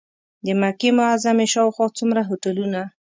د مکې معظمې شاوخوا څومره هوټلونه.